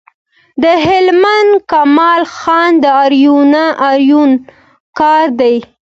د هلمند کمال خان د آرینو کار دی